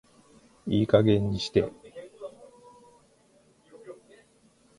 いい加減にして